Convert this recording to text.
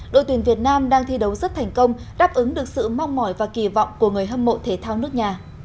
đội tuyển việt nam đang thi đấu rất thành công đáp ứng được sự mong mỏi và kỳ vọng của người hâm mộ thể thao nước nhà